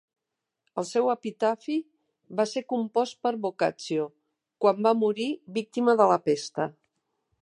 El seu epitafi va ser compost per Boccaccio, quan va morir víctima de la pesta.